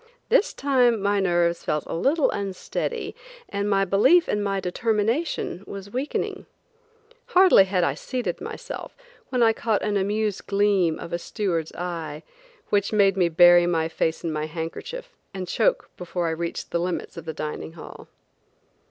This time my nerves felt a little unsteady and my belief in my determination was weakening, Hardly had I seated myself when I caught an amused gleam of a steward's eye, which made me bury my face in my handkerchief and choke before I reached the limits of the dining hall.